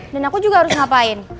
dan aku juga harus ngapain